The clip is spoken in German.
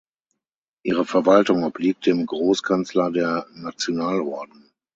Ihre Verwaltung obliegt dem Großkanzler der Nationalorden.